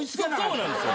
そうなんですよ！